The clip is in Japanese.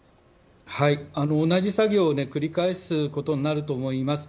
同じ作業を繰り返すことになると思います。